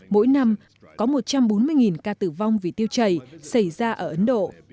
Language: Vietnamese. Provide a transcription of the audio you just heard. mỗi năm có một trăm bốn mươi ca tử vong vì tiêu chảy xảy ra ở ấn độ